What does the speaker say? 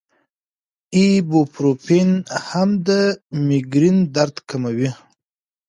ایبوپروفین هم د مېګرین درد کموي.